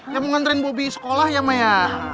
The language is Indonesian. ya mau nganterin bobi ke sekolah ya ma ya